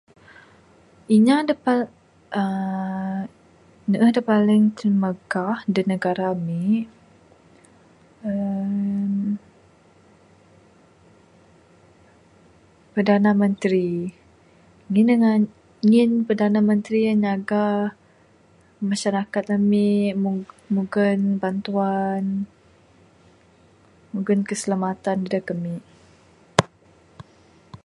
Inya da pal, uhh ne'uh da paling timagah da negara ami' uhh Perdana Menteri. Ngin ne ngan, ngin Perdana Menteri en nyaga masyarakat ami' mung mugon bantuan, mugon keselamatan dadeg ami'.